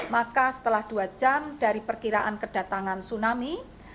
maka setelah dua jam dari perkiraan kedatangan tsunami